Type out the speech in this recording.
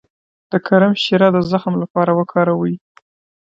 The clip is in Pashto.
د کرم شیره د زخم لپاره وکاروئ